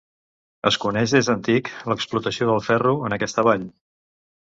Es coneix des d'antic l'explotació del ferro, en aquesta vall.